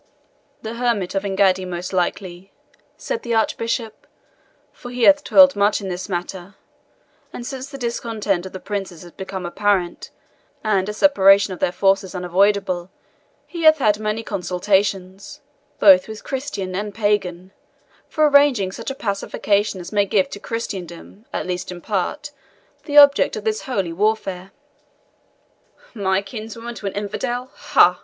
"The hermit of Engaddi, most likely," said the Archbishop, "for he hath toiled much in this matter; and since the discontent of the princes has became apparent, and a separation of their forces unavoidable, he hath had many consultations, both with Christian and pagan, for arranging such a pacification as may give to Christendom, at least in part, the objects of this holy warfare." "My kinswoman to an infidel ha!"